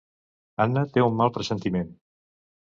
Anna té un mal pressentiment.